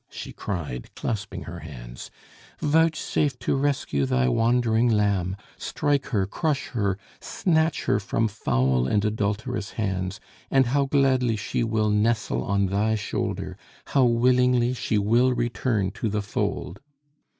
she cried, clasping her hands. "Vouchsafe to rescue Thy wandering lamb, strike her, crush her, snatch her from foul and adulterous hands, and how gladly she will nestle on Thy shoulder! How willingly she will return to the fold!"